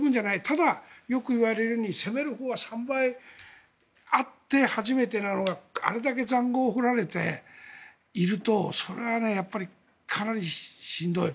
ただ、よく言われるように攻めるほうは３倍あって初めてなのがあれだけ塹壕掘られているとそれはかなりしんどい。